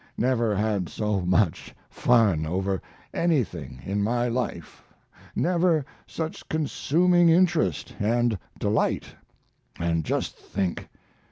Never had so much fun over anything in my life never such consuming interest and delight. And just think!